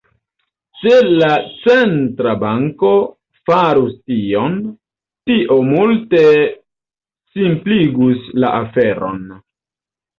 Se la centra banko farus tion, tio multe simpligus la aferon.